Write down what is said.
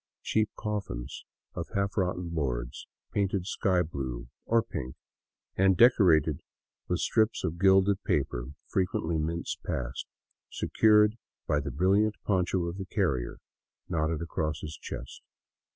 Cheap coffins of half rotten boards, painted sky blue or pink and decorated with strips of gilded paper, frequently mince past, secured by the brilliant poncho of the carrier, knotted across his chest.